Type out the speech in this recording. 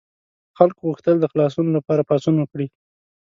خلکو غوښتل د خلاصون لپاره پاڅون وکړي.